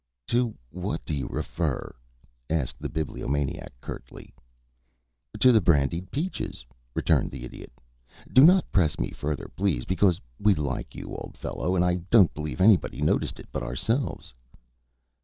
"To what do you refer?" asked the Bibliomaniac, curtly. "To the brandied peaches," returned the Idiot. "Do not press me further, please, because we like you, old fellow, and I don't believe anybody noticed it but ourselves."